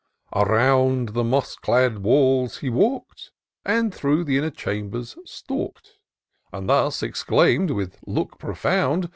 Around the moss clad walls he walk'd. Then through the inner chambers stalk'd, And thus exclaim'd, with look profound.